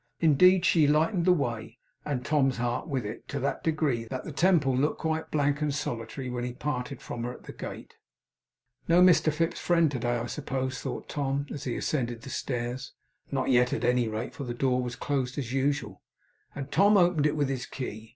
Indeed, she lightened the way (and Tom's heart with it) to that degree, that the Temple looked quite blank and solitary when he parted from her at the gate. 'No Mr Fips's friend to day, I suppose,' thought Tom, as he ascended the stairs. Not yet, at any rate, for the door was closed as usual, and Tom opened it with his key.